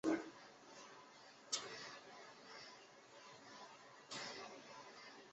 圆形狼牙蟹为梭子蟹科狼牙蟹属的动物。